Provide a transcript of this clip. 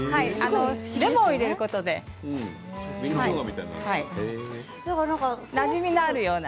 レモンを使うことでなじみのあるような。